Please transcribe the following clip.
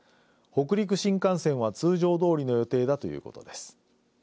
北陸新幹線は通常どおりの予定だということです。